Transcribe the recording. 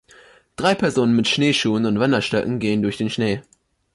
Drei Personen mit Schneeschuhen und Wanderstöcken gehen durch den Schnee.